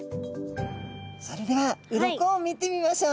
それでは鱗を見てみましょう。